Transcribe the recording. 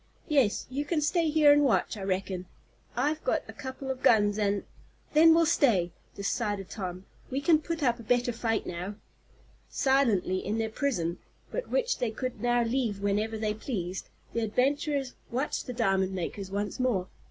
Yes, you can stay here and watch, I reckon. I've got a couple of guns, and " "Then we'll stay," decided Tom. "We can put up a better fight now." Silently, in their prison, but which they could now leave whenever they pleased, the adventurers watched the diamond makers once more.